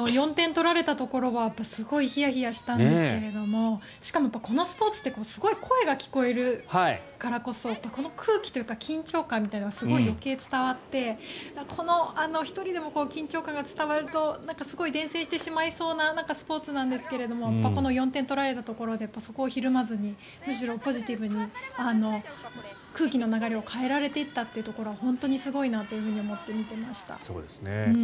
４点取られたところはすごいヒヤヒヤしたんですがしかもこのスポーツってすごい声が聞こえるからこそこの空気というか緊張感みたいなのが余計伝わって１人でも緊張感が伝わるとすごい伝染してしまいそうなスポーツなんですけどこの４点取られたところでそこでひるまずにむしろポジティブに空気の流れを変えられていったところは本当にすごいなと思って見ていました。